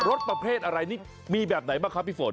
สประเภทอะไรนี่มีแบบไหนบ้างครับพี่ฝน